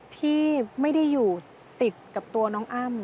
ที่ไม่ได้อยู่ติดกับตัวน้องอ้ำ